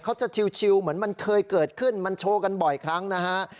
เขาจะชิวเหมือนมันเคยเกิดขึ้นมันโชว์กันบ่อยครั้งนะฮะ